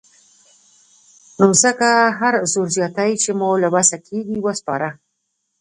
نو ځکه هر زور زياتی چې مو له وسې کېږي وسپاره.